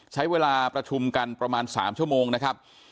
ใช้เวลาประชุมกันประมาณ๓ชั่วโมงนะครับ